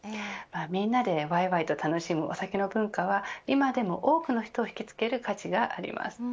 みんなでわいわいと楽しむ、お酒の文化は今でも多くの人を引きつける価値があります。